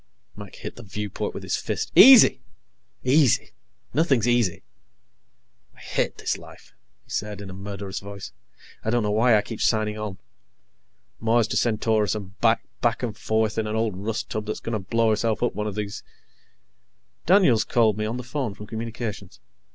Mac hit the viewport with his fist. "Easy! Easy nothing's easy. I hate this life," he said in a murderous voice. "I don't know why I keep signing on. Mars to Centaurus and back, back and forth, in an old rust tub that's going to blow herself up one of these "Daniels called me on the phone from Communications.